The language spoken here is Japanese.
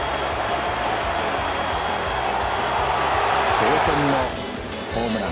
同点のホームラン。